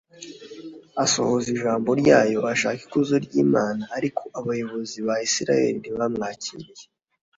, asohoza ijambo ryayo, ashaka ikuzo ry’Imana ; ariko abayobozi ba Isiraheli ntibamwakiriye,